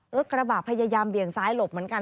กระบะพยายามเบี่ยงซ้ายหลบเหมือนกัน